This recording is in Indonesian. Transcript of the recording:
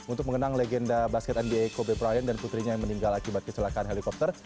untuk mengenang legenda basket nba kobe brian dan putrinya yang meninggal akibat kecelakaan helikopter